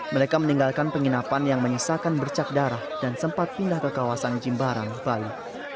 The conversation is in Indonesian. mereka meninggalkan penginapan yang menyisakan bercak darah dan sempat pindah ke kawasan jimbarang bali